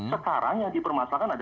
sekarang yang dipermasalahkan adalah